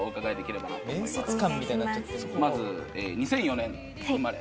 ２００４年生まれ！？